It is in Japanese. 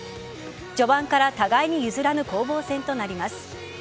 序盤から互いに譲らぬ攻防戦となります。